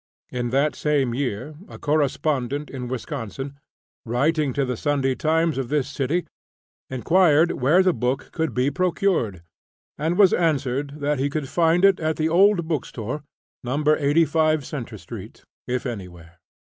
In that same year, a correspondent, in Wisconsin, writing to the "Sunday Times" of this city, inquired where the book could be procured, and was answered that he could find it at the old bookstore, No. 85 Centre Street, if anywhere.